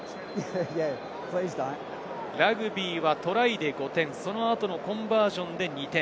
ラグビーはトライで５点、その後のコンバージョンで２点。